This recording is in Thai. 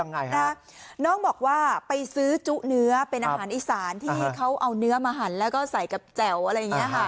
น้องบอกว่าไปซื้อจุเนื้อเป็นอาหารอีสานที่เขาเอาเนื้อมาหั่นแล้วก็ใส่กับแจ๋วอะไรอย่างเงี้ยค่ะ